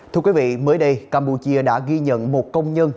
thưa quý vị mới đây campuchia đã ghi nhận một công nhân